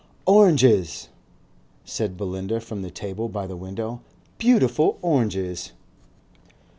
"Oranges!" said Belinda from the table by the window. "Beautiful oranges."